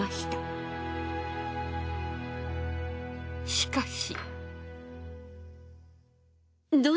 しかし。